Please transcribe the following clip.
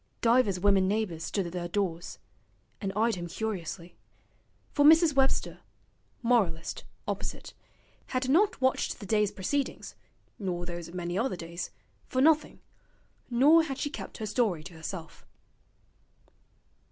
Divers women neighbours stood at their doors, and eyed him curiously; for Mrs. Webster, moralist, opposite, had not watched the day's proceedings (nor those of many other days) for nothing, nor had she kept her story to herself.